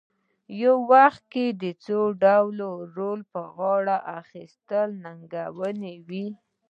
په یو وخت کې د څو ډوله رول په غاړه اخیستل ننګونه وي.